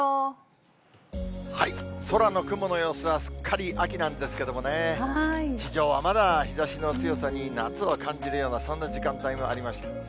空の雲の様子は、すっかり秋なんですけどもね、地上はまだ日ざしの強さに夏を感じるような、そんな時間帯もありました。